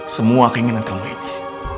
semua keinginan kamu ini